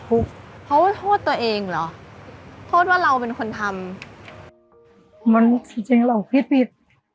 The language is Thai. ทุกข์เพราะว่าโทษตัวเองเหรอโทษว่าเราเป็นคนทำมันจริงจริงเราผิดผิด